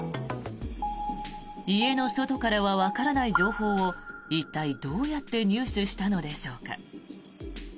家の外からはわからない情報を一体どうやって入手したのでしょうか。